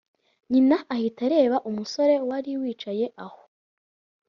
nyina ahita areba umusore wari wicaye aho,